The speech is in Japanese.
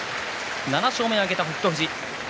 ７勝目を挙げた、北勝富士。